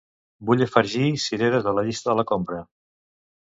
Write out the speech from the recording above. Vull afegir cireres a la llista de la compra.